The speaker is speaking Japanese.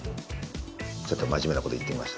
ちょっと真面目なこと言ってみました。